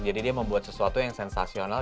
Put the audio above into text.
jadi dia membuat sesuatu yang sensasional